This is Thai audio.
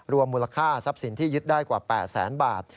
มูลค่าทรัพย์สินที่ยึดได้กว่า๘แสนบาท